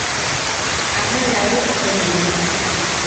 আমার রায়ও একই দিনে।